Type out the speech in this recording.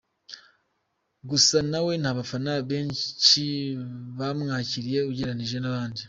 Gusa we nta bafana benshi bamwakiriye ugereranyije n’abandi.